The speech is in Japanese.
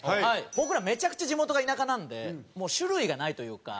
僕らめちゃくちゃ地元が田舎なんでもう種類がないというか。